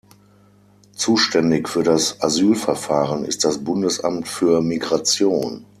Zuständig für das Asylverfahren ist das Bundesamt für Migration.